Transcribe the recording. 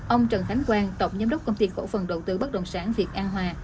ông trần khánh quang tổng giám đốc công ty cổ phần đầu tư bất đồng sản việt an hoa